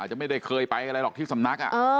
จะไม่ได้เคยไปอะไรหรอกที่สำนัก